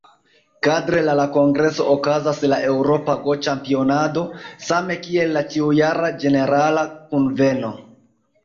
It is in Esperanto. Kadre la la kongreso okazas la "Eŭropa Go-Ĉampionado", same kiel la ĉiujara Ĝenerala Kunveno.